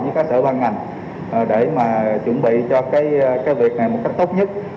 với các sở ban ngành để mà chuẩn bị cho cái việc này một cách tốt nhất